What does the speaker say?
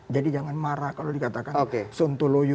jadi jangan marah kalau dikatakan